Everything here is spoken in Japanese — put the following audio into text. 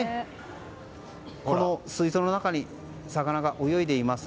この水槽の中に魚が泳いでいます。